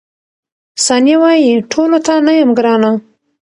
ثانیه وايي، ټولو ته نه یم ګرانه.